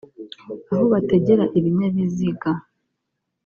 Aho bategera ibinyabiziga